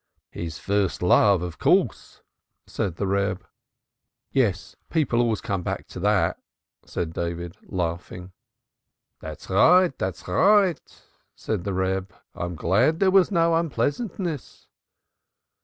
"His first love of course," said the Reb. "Yes, people always come back to that," said David laughing. "That's right, that's right," said the Reb. "I am glad there was no unpleasantness."